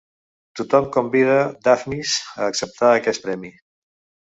Tothom convida Daphnis a acceptar aquest premi.